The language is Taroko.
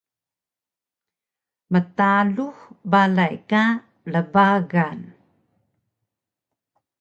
mtalux balay ka rbagan